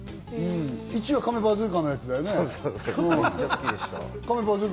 『１』はカメバズーカのやつだよね。